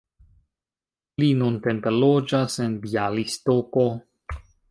Li nuntempe loĝas en Bjalistoko.